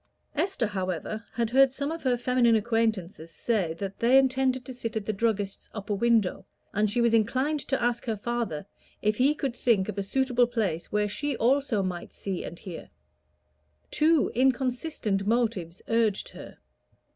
Esther, however, had heard some of her feminine acquaintances say that they intended to sit at the druggist's upper window, and she was inclined to ask her father if he could think of a suitable place where she also might see and hear. Two inconsistent motives urged her.